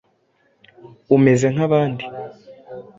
Umeze nkabandi.